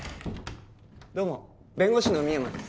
どうも弁護士の深山です